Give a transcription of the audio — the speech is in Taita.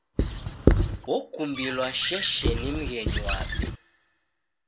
Okumbilwa sheshe ni mghenyu wape.